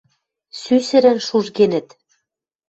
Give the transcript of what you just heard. Сӱсӹрӹн шужгенӹт.